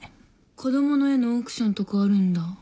子供の絵のオークションとかあるんだ。